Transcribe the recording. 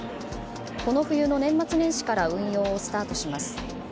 この冬の年末年始から運用をスタートします。